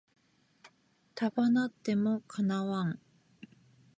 束なっても叶わん